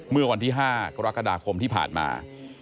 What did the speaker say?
เมื่อวันที่๕กรกฎาคมที่ผ่านมา